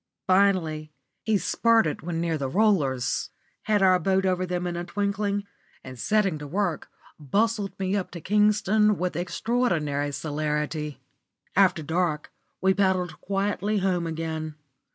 Finally he spurted when near the "rollers," had our boat over them in a twinkling, and setting to work, bustled me up to Kingston with extraordinary celerity. After dark we paddled quietly home again.